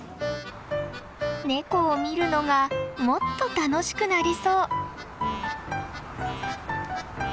ネコを見るのがもっと楽しくなりそう。